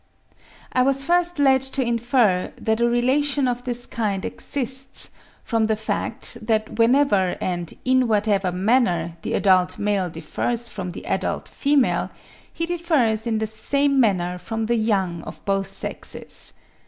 I was first led to infer that a relation of this kind exists, from the fact that whenever and in whatever manner the adult male differs from the adult female, he differs in the same manner from the young of both sexes.